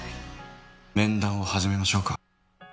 面談を始めましょうか。